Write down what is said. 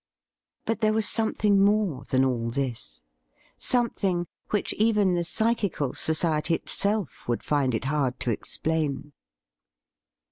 But there was something more than all this — something which even the Psychical Society itself would find it hard to explain.